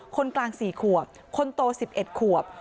คนกลาง๔ขวบคนโต๑๑ขวบ